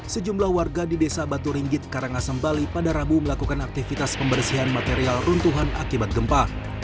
sejumlah warga di desa batu ringgit karangasem bali pada rabu melakukan aktivitas pembersihan material runtuhan akibat gempa